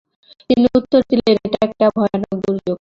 তিনি উত্তর দিলেন, "এটা একটা ভয়ানক দুর্যোগ।